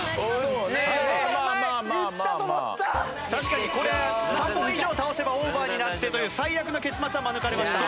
確かにこれ３本以上倒せばオーバーになってという最悪の結末は免れました。